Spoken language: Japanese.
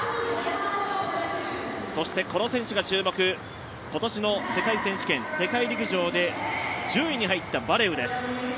そしてこの選手が注目、今年の世界選手権、世界陸上で１０位に入ったバレウです。